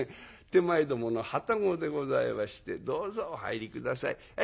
手前どもの旅籠でございましてどうぞお入り下さい。